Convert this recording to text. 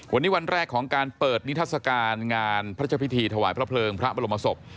วันนี้วันแรกของการเปิดนิทัศกาลงานพระเจ้าพิธีถวายพระเพลิงพระบรมศพ